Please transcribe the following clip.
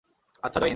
আচ্ছা, জয় হিন্দ।